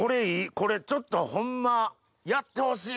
これちょっとホンマやってほしい！